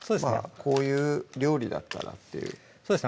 こういう料理だったらっていうそうですね